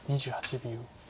２８秒。